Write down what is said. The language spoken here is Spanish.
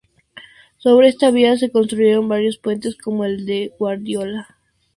Sobre esta vía se construyeron varios puentes, como el de Guardiola.